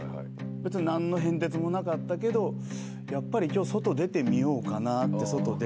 何の変哲もなかったけどやっぱり今日外出てみようかなって外出て。